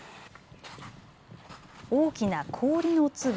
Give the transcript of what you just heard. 大きな氷の粒。